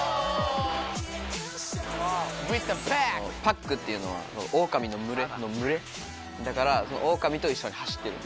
パックっていうのは、オオカミの群れの、群れだから、オオカミと一緒に走ってる。